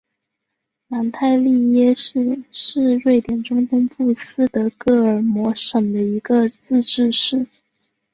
南泰利耶市是瑞典中东部斯德哥尔摩省的一个自治市。